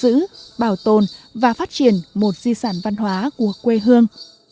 bà muốn gìn giữ bảo tồn và phát triển một di sản văn hóa của quê hương